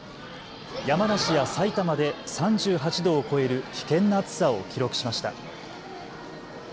山梨や埼玉で３８度を超える危険な暑さを記録しました。